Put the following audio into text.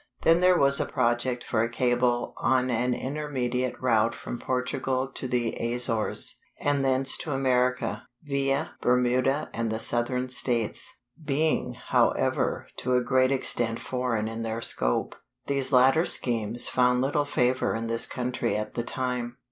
Then there was a project for a cable on an intermediate route from Portugal to the Azores, and thence to America, via Bermuda and the Southern States. Being, however, to a great extent foreign in their scope, these latter schemes found little favor in this country at the time.